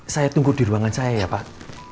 saya tunggu di ruangan saya ya pak